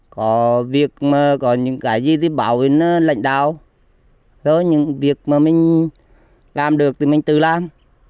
có việc mà có những cái gì thì bảo với lãnh đạo rồi những việc mà mình làm được thì mình tự làm